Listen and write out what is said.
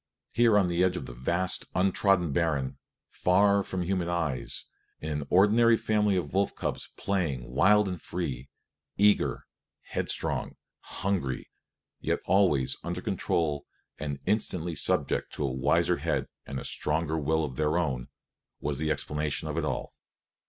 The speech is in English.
Here on the edge of the vast, untrodden barren, far from human eyes, in an ordinary family of wolf cubs playing wild and free, eager, headstrong, hungry, yet always under control and instantly subject to a wiser head and a stronger will than their own, was the explanation of it all.